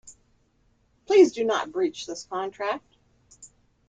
Please do not breach this contract.